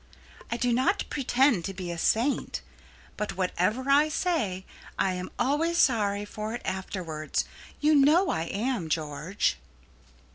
"I do not pretend to be a saint, but whatever I say I am always sorry for it afterwards you know I am, George."